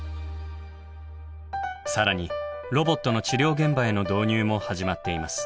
更にロボットの治療現場への導入も始まっています。